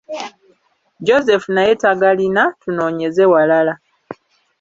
Joseph naye tagalina, tunoonyeze walala.